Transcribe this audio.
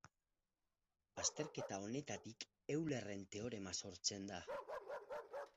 Azterketa honetatik Eulerren teorema sortzen da.